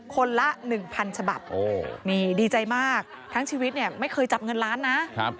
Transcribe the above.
คนละ๑๐๐ฉบับนี่ดีใจมากทั้งชีวิตเนี่ยไม่เคยจับเงินล้านนะ